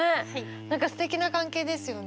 何かすてきな関係ですよね。